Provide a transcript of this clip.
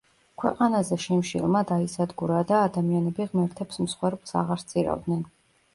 ქვეყანაზე შიმშილმა დაისადგურა და ადამიანები ღმერთებს მსხვერპლს აღარ სწირავდნენ.